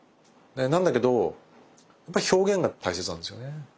なんだけどやっぱ表現が大切なんですよね。